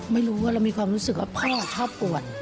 ไม่รู้ว่าเรามีความรู้สึกว่าพ่อชอบปวด